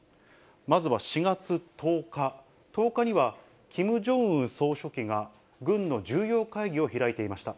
まずは４月１０日、１０日はキム・ジョンウン総書記が軍の重要会議を開いていました。